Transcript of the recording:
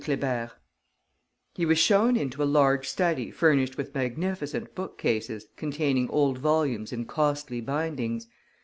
He was shown into a large study furnished with magnificent book cases containing old volumes in costly bindings.